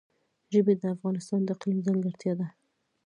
ژبې د افغانستان د اقلیم ځانګړتیا ده.